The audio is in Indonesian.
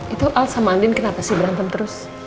itu al sama andin kenapa sih berantem terus